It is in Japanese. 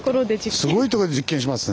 すごい所で実験しますね。